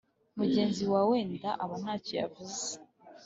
Mugenzi wawe wenda aba nta cyo yavuze,